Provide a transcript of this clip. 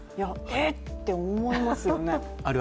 えっ？て思いますよね。